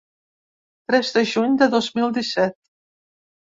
Tres de juny del dos mil disset.